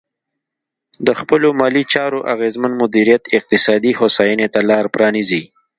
د خپلو مالي چارو اغېزمن مدیریت اقتصادي هوساینې ته لار پرانیزي.